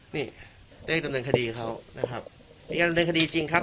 นี่เร่งดำเนินคดีเขานะครับมีการดำเนินคดีจริงครับ